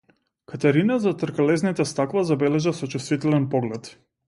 Катерина зад тркалезните стакла забележа сочувствителен поглед.